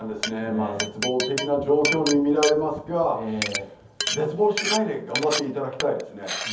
絶望的な状況に見られますが絶望しないで頑張っていただきたいですね。